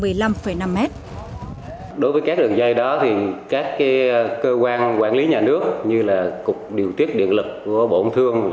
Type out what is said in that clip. đối với các đường dây đó thì các cơ quan quản lý nhà nước như là cục điều tiết điện lực của bộ thương